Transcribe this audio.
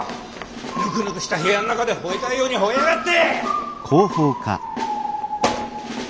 ぬくぬくした部屋ん中でほえたいようにほえやがって！